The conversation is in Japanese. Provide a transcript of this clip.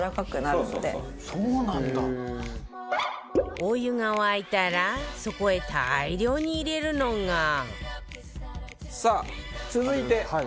お湯が沸いたらそこへ大量に入れるのがさあ続いて。